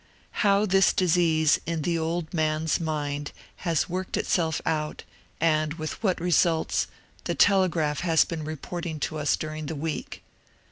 How this disease in the old man's mind has worked itself out, and with what results, the telegraph has been re porting to us during the week.